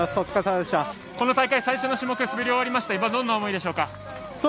この大会最初の種目滑り終えまして今、どんな思いでしょうか？